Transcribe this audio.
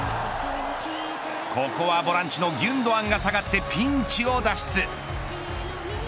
ここはボランチのギュンドアンが下がってピンチを脱出。